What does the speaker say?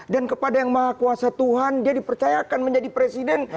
dan kepada yang maha kuasa tuhan dia dipercayakan menjadi presiden